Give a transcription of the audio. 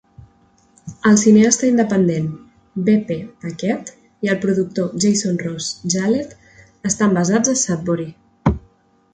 El cineasta independent B. P. Paquette i el productor Jason Ross Jallet estan basats a Sudbury.